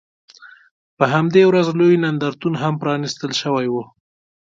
په همدې ورځ لوی نندارتون هم پرانیستل شوی و.